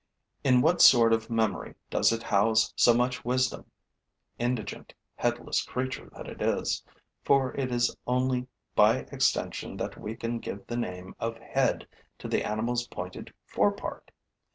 In what sort of memory does it house so much wisdom, indigent, headless creature that it is, for it is only by extension that we can give the name of head to the animal's pointed fore part?